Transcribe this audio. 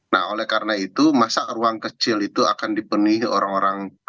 nah oleh karena itu masa ruang kecil itu akan dipenuhi orang orang